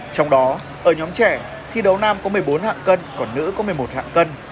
trong đó ở nhóm trẻ thi đấu nam có một mươi bốn hạng cân còn nữ có một mươi một hạng cân